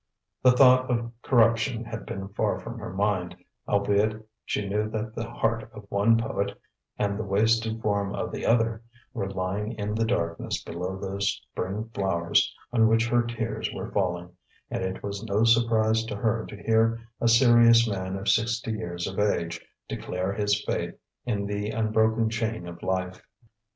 The thought of corruption had been far from her mind, albeit she knew that the heart of one poet and the wasted form of the other were lying in the darkness below those spring flowers on which her tears were falling, and it was no surprise to her to hear a serious man of sixty years of age declare his faith in the unbroken chain of life.